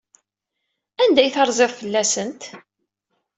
Anda ay terziḍ fell-asent?